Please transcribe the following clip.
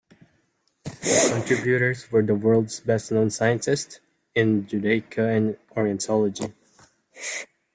The contributors were the world's best known scientists in Judaica and orientology.